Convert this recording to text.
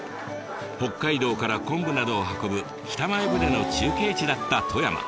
北海道から昆布などを運ぶ北前船の中継地だった富山。